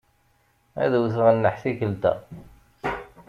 Ad wteɣ nneḥ tikkelt-a.